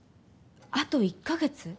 あと１か月？